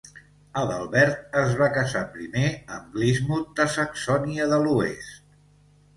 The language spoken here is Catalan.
Adalbert es va casar primer amb Glismod de Saxònia de l'Oest.